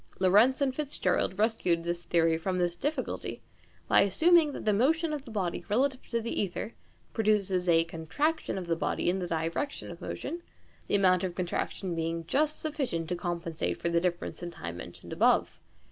Lorentz and FitzGerald rescued the theory from this difficulty by assuming that the motion of the body relative to the ćther produces a contraction of the body in the direction of motion, the amount of contraction being just sufficient to compensate for the differeace in time mentioned above.